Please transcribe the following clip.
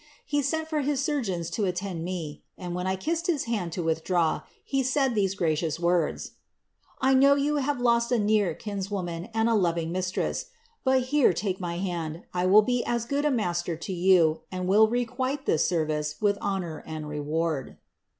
He sent for hia curgMBi lo attend me, andi when I kissed hia hand to nilhdraw, be skiJ tine gracious vordg : 'I know you have lost a near kinswoman.' atut ■ lotraif m is Ires;; ; but here, lake mr hand, I will be a^ good a maAlei to yuu, tiM will requite thi»8ervice with honour and reward."'